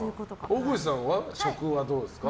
大河内さんは食はどうですか？